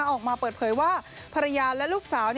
ออกมาเปิดเผยว่าภรรยาและลูกสาว